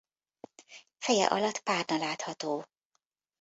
Feje alatt párna látható.